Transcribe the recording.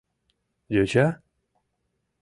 Йоча?!.